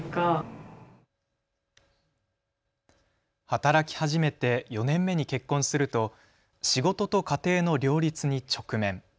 働き始めて４年目に結婚すると仕事と家庭の両立に直面。